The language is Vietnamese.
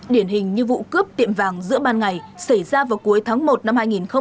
điển hình như vụ cướp tiệm vàng giữa ban ngày xảy ra vào cuối tháng một năm hai nghìn hai mươi